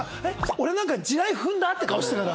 俺なんか地雷踏んだ？って顔してたから。